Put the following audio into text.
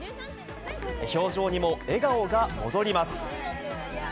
表情にも笑顔が戻ります。